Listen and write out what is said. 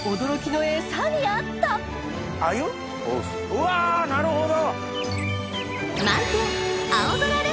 うわなるほど。